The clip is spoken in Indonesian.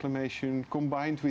dan itu juga bagian dari